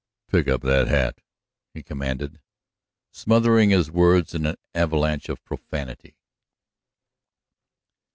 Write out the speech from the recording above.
"Pick up that hat!" he commanded, smothering his words in an avalanche of profanity.